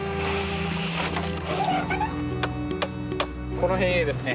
この辺へですね